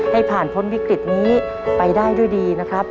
ให้ผ่านพ้นวิกฤตนี้ไปได้ด้วยดีนะครับ